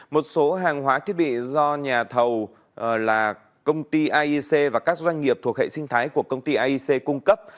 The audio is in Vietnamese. một số hàng hóa thiết bị do nhà thầu là công ty aic và các doanh nghiệp thuộc hệ sinh thái của công ty iec cung cấp